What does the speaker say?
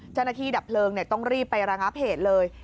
เจ้าหน้าที่ดับเพลิงต้องรีบไประงับเหตุเลย